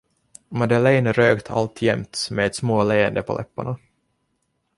Madeleine rökte alltjämt med ett småleende på läpparna.